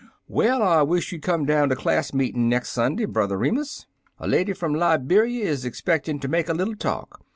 "Well, I wish you'd come down to class meetin' next Sunday, Brother Remus. A lady from Liberia is expected to make a little talk.